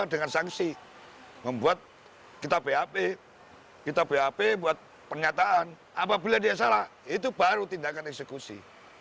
dengan sanksi membuat kita bap kita bap buat pernyataan apabila dia salah itu baru tindakan eksekusi